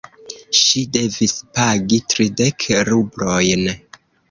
Ŝi devis pagi tridek rublojn.